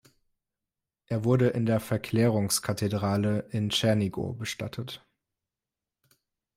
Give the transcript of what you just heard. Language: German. Er wurde in der Verklärungskathedrale in Tschernigow bestattet.